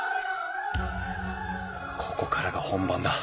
ここからが本番だ。